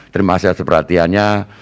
terima kasih atas perhatiannya